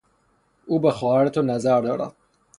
او به خواهر تو نظر دارد.